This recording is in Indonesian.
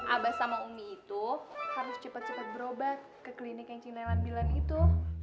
abah sama umi itu harus cepat cepat berobat ke klinik yang cililan milen itu